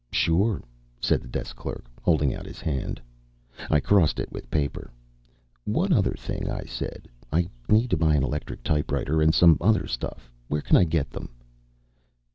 "Sure," said the desk clerk, holding out his hand. I crossed it with paper. "One other thing," I said. "I need to buy an electric typewriter and some other stuff. Where can I get them?"